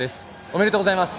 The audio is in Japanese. おめでとうございます。